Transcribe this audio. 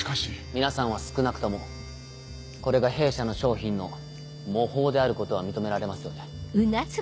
皆さんは少なくともこれが弊社の商品の模倣であることは認められますよね。